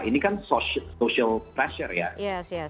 ini kan social pressure ya